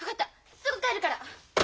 すぐ帰るから。